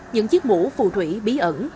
những chiếc mũ phù thủy bí ẩn